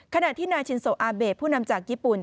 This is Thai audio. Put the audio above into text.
ขณะที่นายชินโซอาเบสผู้นำจากญี่ปุ่น